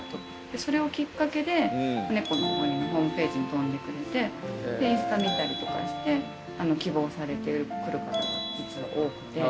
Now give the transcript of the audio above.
それをきっかけで猫の森のホームページに飛んでくれてインスタ見たりとかして希望されて来る方が実は多くて。